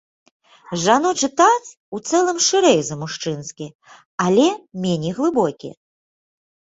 Жаночы таз ў цэлым шырэй за мужчынскі, але меней глыбокі.